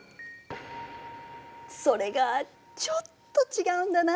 それがちょっと違うんだな。